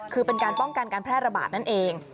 คือเป็นการป้องกันการแพร่ระบาดนั่นเอง